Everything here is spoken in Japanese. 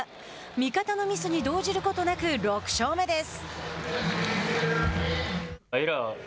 味方のミスに動じることなく６勝目です。